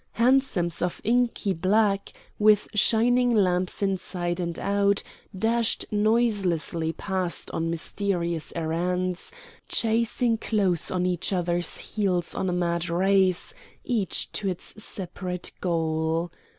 Hansoms of inky black, with shining lamps inside and out, dashed noiselessly past on mysterious errands, chasing close on each other's heels on a mad race, each to its separate goal.